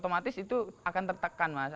otomatis itu akan tertekan mas